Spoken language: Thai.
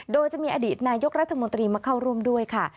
โดยจะมีอดีตนายกรัฐมนตรีมาเข้าร่วมด้วยค่ะ